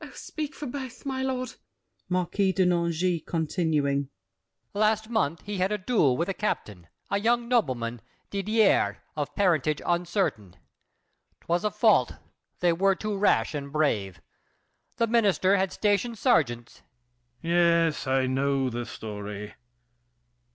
Oh, speak for both, My lord! MARQUIS DE NANGIS (continuing). Last month he had a duel with A captain, a young nobleman, Didier. Of parentage uncertain. 'Twas a fault. They were too rash and brave. The minister Had stationed sergeants— THE KING. Yes, I know the story.